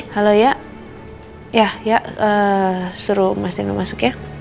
halo ya ya ya eh suruh mas nino masuk ya